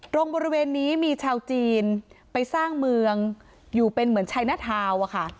ตรงบริเวณนี้มีชาวจีนไปสร้างเมืองอยู่เป็นเหมือนชัยนทาวณ์